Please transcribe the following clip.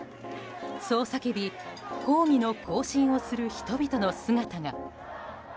そう叫び抗議の行進をする人々の姿が。